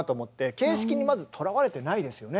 形式にまずとらわれてないですよね。